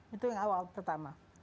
itu yang awal pertama